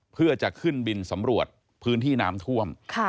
เพื่อจะขึ้นบินสำรวจพื้นที่น้ำท่วม